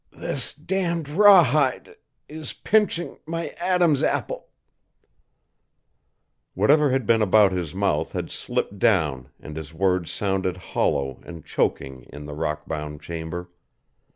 "This damned rawhide is pinching my Adam's apple " Whatever had been about his mouth had slipped down and his words sounded hollow and choking in the rock bound chamber.